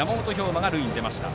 真が塁に出ました。